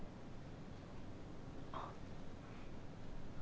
あっ。